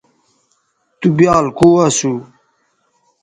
تُو بیال کو اسو